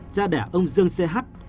cha đẻ ông dương ch